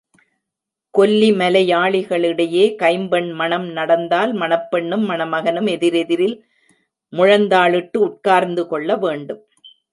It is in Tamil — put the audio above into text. கொல்லி மலையாளிகளிடையே கைம்பெண் மணம் நடந்தால் மணப் பெண்ணும் மணமகனும் எதிரெதிரில் முழந்தாளிட்டு உட்கார்ந்து கொள்ள வேண்டும்.